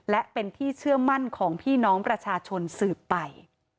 และเป็นที่เชื่อมั่นของพี่น้องประชาชนสืบไป